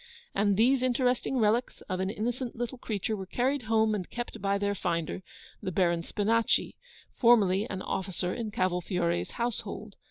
And these interesting relics of an innocent little creature were carried home and kept by their finder, the Baron Spinachi, formerly an officer in Cavolfiore's household.